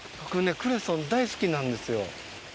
クレソン大好きなんですよ。